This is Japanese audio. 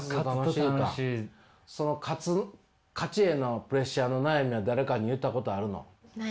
勝ちへのプレッシャーの悩みは誰かに言ったことあるの？